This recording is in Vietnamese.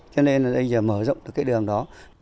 cho nên là bây giờ mở rộng được cái đường đó